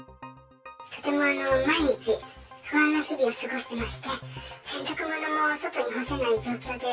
とても毎日、不安な日々を過ごしてまして、洗濯物も外に干せない状況で。